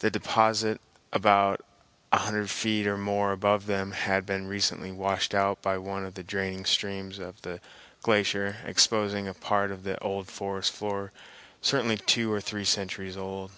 The deposit, about a hundred feet or more above them, had been recently washed out by one of the draining streams of the glacier, exposing a part of the old forest floor certainly two or three centuries old.